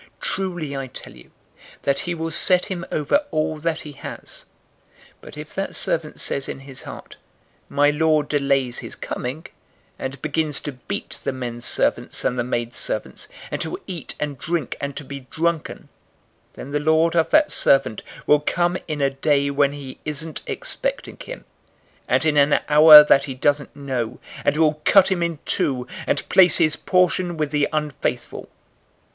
012:044 Truly I tell you, that he will set him over all that he has. 012:045 But if that servant says in his heart, 'My lord delays his coming,' and begins to beat the menservants and the maidservants, and to eat and drink, and to be drunken, 012:046 then the lord of that servant will come in a day when he isn't expecting him, and in an hour that he doesn't know, and will cut him in two, and place his portion with the unfaithful.